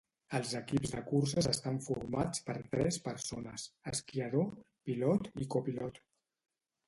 Els equips de curses estan formats per tres persones: esquiador, pilot i copilot.